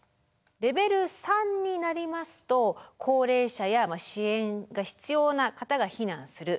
レベル３になりますと高齢者や支援が必要な方が避難する。